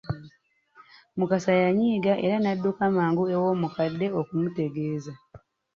Mukasa yanyiiga era n'adduka mangu ew’omukadde okumutegeeza.